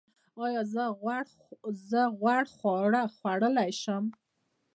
ایا زه غوړ خواړه خوړلی شم؟